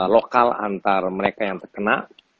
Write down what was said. lokal antar mereka yang terkena